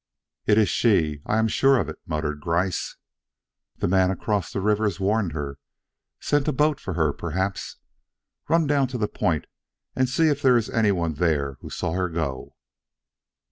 "It is she! I'm sure of it," muttered Gryce. "The man across the river has warned her sent a boat for her, perhaps. Run down to the point and see if there is anyone there who saw her go."